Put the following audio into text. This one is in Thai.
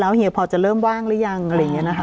เฮียพอจะเริ่มว่างหรือยังอะไรอย่างนี้นะคะ